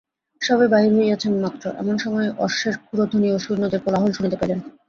সবে বাহির হইয়াছেন মাত্র, এমন সময়ে অশ্বের ক্ষুরধ্বনি ও সৈন্যদের কোলাহল শুনিতে পাইলেন।